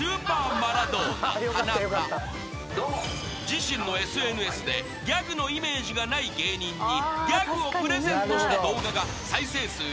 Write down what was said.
［自身のＳＮＳでギャグのイメージがない芸人にギャグをプレゼントした動画が］